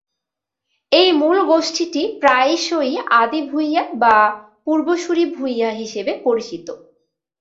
এই মূল গোষ্ঠীটি প্রায়শই আদি ভূঁইয়া বা পূর্বসূরি ভূঁইয়া হিসাবে পরিচিত।